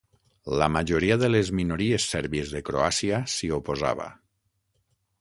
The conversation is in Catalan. La gran majoria de les minories sèrbies de Croàcia s'hi oposava.